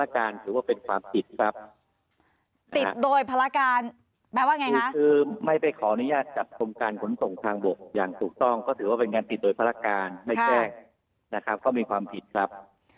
การติดเด่อภาระการถือว่าเป็นความผิดครับ